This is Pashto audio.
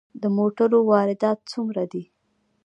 د موټرو واردات څومره دي؟